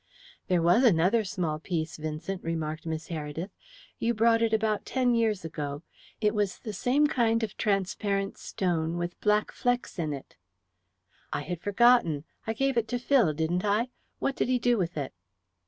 "There was another small piece, Vincent," remarked Miss Heredith. "You brought it about ten years ago. It was the same kind of transparent stone, with black flecks in it." "I had forgotten. I gave it to Phil, didn't I? What did he do with it?"